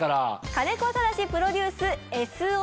兼子ただしプロデュースＳ帯。